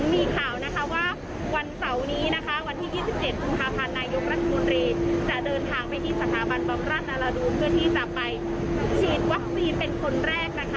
ที่ด้วยรักษาสาธาราชีวิตรายงานส่วนจากภาษีศาสตร์